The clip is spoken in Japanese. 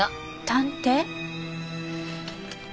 探偵？